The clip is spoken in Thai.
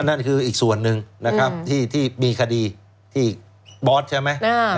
นั่นคืออีกส่วนหนึ่งนะครับที่มีคดีที่บอสใช่ไหม